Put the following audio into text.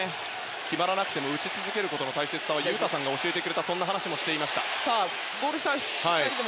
決まらなくても打ち続けることの大切さは雄太さんが教えてくれたと話していました。